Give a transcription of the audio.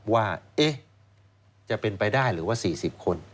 ว่าจะเป็นไปได้หรือว่า๔๐คน